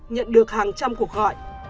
nhận được hàng trăm cuộc gọi